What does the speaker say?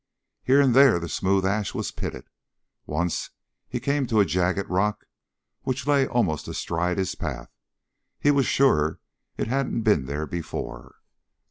Here and there the smooth ash was pitted. Once he came to a jagged rock which lay almost astride his path. He was sure it hadn't been there before.